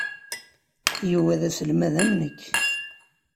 Yuba d aselmad am nekk.